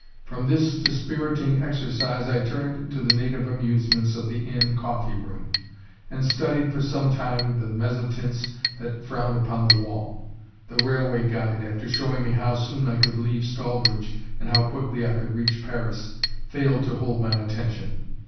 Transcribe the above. From this dispiriting exercise I turned to the native amusements of the inn coffee room, and studied for some time the mezzotints that frowned upon the wall. The railway guide, after showing me how soon I could leave Stallbridge and how quickly I could reach Paris, failed to hold my attention.